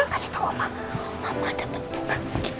kasih tau mama mama dapet bunga